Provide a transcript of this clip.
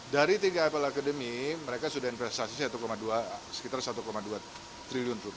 dari tiga apel academy mereka sudah investasi sekitar satu dua triliun